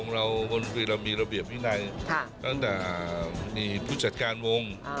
รัฐมนตรีเรามีระเบียบวินัยตั้งแต่มีผู้จัดการวง